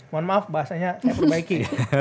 mohon maaf bahasanya saya perbaiki